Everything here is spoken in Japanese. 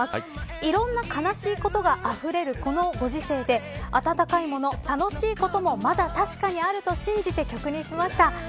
いろんな悲しいことがあふれるご時世であたたかいもの、悲しいこともまだ確かにあると信じて曲にしました。